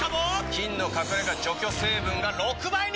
菌の隠れ家除去成分が６倍に！